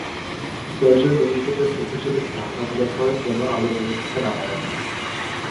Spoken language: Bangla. সার্জন রোগীকে তার চোখের জন্য একটি ঢাকনা প্রদান করেন, যেন আলো প্রবেশ করতে না পারে।